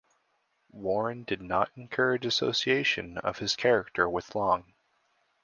Warren did not encourage association of his character with Long.